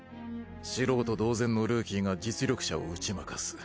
素人同然のルーキーが実力者を打ち負かす。